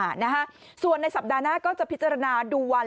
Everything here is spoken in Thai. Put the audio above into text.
นะฮะส่วนในสัปดาห์หน้าก็จะพิจารณาดูวัน